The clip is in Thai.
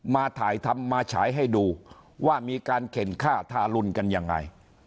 มาถ่ายทำมาฉายให้ดูว่ามีการเข็นค่าทารุณกันยังไง